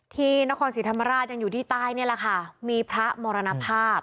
ที่นครศรีธรรมราชยังอยู่ที่ใต้นี่แหละค่ะมีพระมรณภาพ